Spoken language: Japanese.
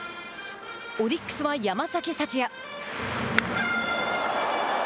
オリックスは山崎福也。